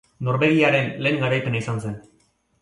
Norvegiaren lehen garaipena izan zen.